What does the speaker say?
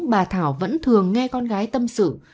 bà thảo vẫn thường nghe con gái tâm sự